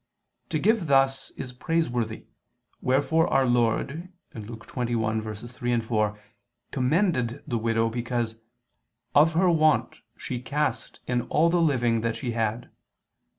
To give thus is praiseworthy, wherefore Our Lord (Luke 21:3, 4) commended the widow because "of her want, she cast in all the living that she had."